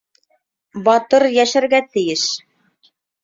Батыр... йәшәргә тейеш.